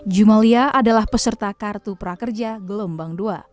jumalia adalah peserta kartu prakerja gelombang dua